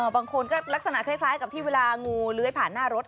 บางคนก็ลักษณะคล้ายกับที่เวลางูเลื้อยผ่านหน้ารถ